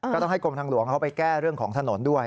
ก็ต้องให้กรมทางหลวงเขาไปแก้เรื่องของถนนด้วย